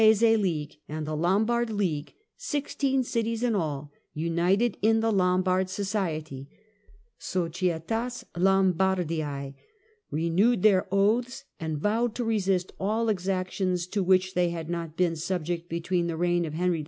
In December 1167 the Veronese League and the Lombard League, sixteen cities in all, united in the " Lombard Society " {Societas Lomhardice), renewed their oaths and vowed to resist all exactions to which they had not been subject between the reign of Henry V.